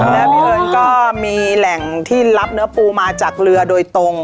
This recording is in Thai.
แล้วพี่เอิญก็มีแหล่งที่รับเนื้อปูมาจากเรือโดยตรง